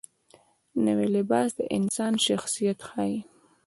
نوی لباس د انسان شخصیت ښیي